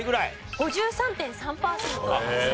５３．３パーセントでした。